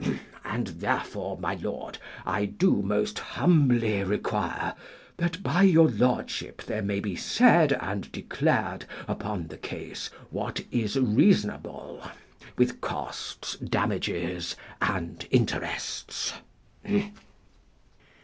And, therefore, my lord, I do most humbly require, that by your lordship there may be said and declared upon the case what is reasonable, with costs, damages, and interests.